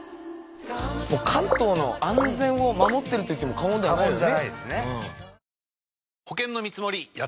関東の安全を守ってると言っても過言ではないよね。